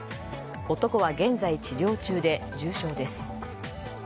男は現在治療中で重傷です。